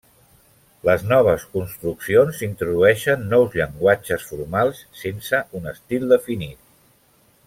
Les noves construccions introdueixen nous llenguatges formals, sense un estil definit.